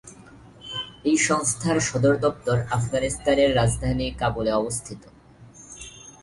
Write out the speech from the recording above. এই সংস্থার সদর দপ্তর আফগানিস্তানের রাজধানী কাবুলে অবস্থিত।